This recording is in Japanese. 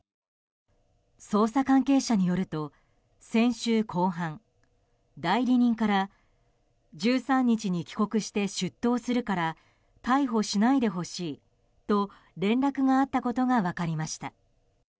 捜査関係者によると先週後半、代理人から１３日に帰国して出頭するから逮捕しないでほしいと連絡があったことが分かりました。